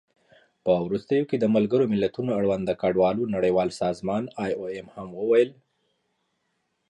It takes place in Brussels, every year in March.